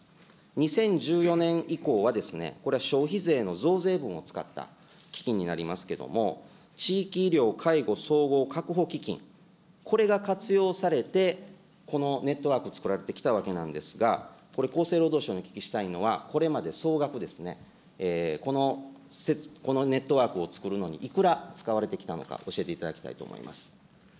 ２０１４年以降はですね、これは消費税の増税分を使った基金になりますけれども、地域医療介護総合確保基金、これが活用されて、このネットワーク、作られてきたわけなんですが、これ、厚生労働省にお聞きしたいのは、これまで総額ですね、このネットワークをつくるのにいくら使われてきたのか、教えていただきたいと思います。